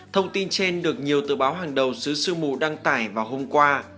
thông tin trên được nhiều tờ báo hàng đầu xứ sư mù đăng tải vào hôm qua